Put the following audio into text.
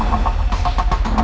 ini lagi ada masalah di kantor ya